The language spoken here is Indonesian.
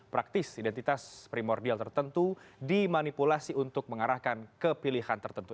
praktis identitas primordial tertentu dimanipulasi untuk mengarahkan kepilihan tertentu